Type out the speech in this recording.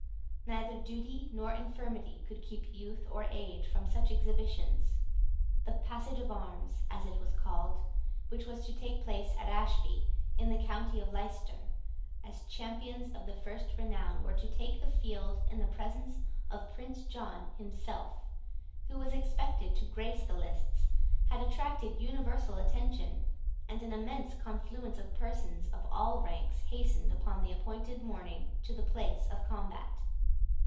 Neither duty nor infirmity could keep youth or age from such exhibitions. The Passage of Arms, as it was called, which was to take place at Ashby, in the county of Leicester, as champions of the first renown were to take the field in the presence of Prince John himself, who was expected to grace the lists, had attracted universal attention, and an immense confluence of persons of all ranks hastened upon the appointed morning to the place of combat.